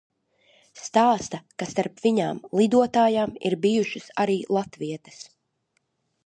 Stāsta, ka starp viņām, lidotājām, ir bijušas arī latvietes.